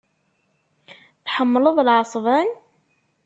Tḥemmleḍ lɛesban?